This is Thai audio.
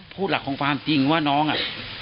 พูดหลักของความจริงว่าน้องอ่ะ